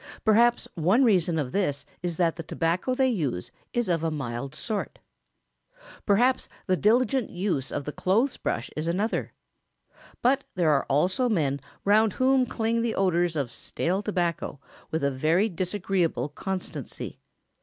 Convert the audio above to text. Perhaps one reason of this is that the tobacco they use is of a mild sort. [Sidenote: Try the clothes brush.] Perhaps the diligent use of the clothes brush is another. But there are also men round whom cling the odours of stale tobacco with a very disagreeable constancy.